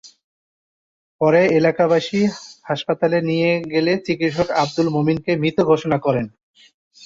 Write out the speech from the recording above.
পরে এলাকাবাসী হাসপাতালে নিয়ে গেলে চিকিৎসক আবদুল মোমিনকে মৃত ঘোষণা করেন।